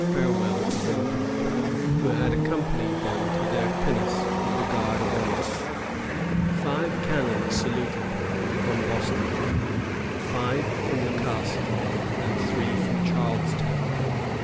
46 farewell to Winthrop, who had accompanied them to their pinnace with a guard of honor. Five cannon saluted them from Boston, five from ^the Castle," and three from Charlestown.